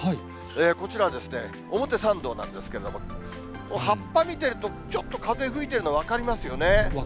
こちらは表参道なんですけれども、葉っぱ見てると、ちょっと風吹い分かりますね。